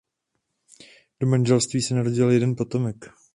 Do manželství se narodil jeden potomek.